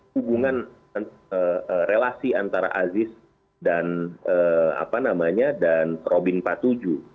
hubungan relasi antara aziz dan robin patuju